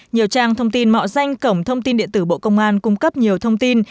nhiều trang thông tin mạo danh cổng thông tin điện tử bộ công an cung cấp nhiều thông tin